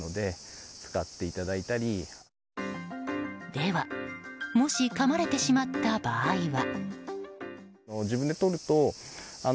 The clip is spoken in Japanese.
では、もしかまれてしまった場合は？